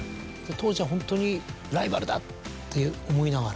当時はホントにライバルだ！って思いながら？